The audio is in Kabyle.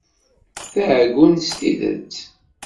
D aɛeggun s tidet!